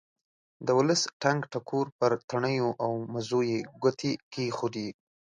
د ولسي ټنګ ټکور پر تڼیو او مزو یې ګوتې کېښودې.